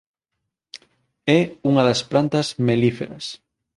É unha das plantas melíferas.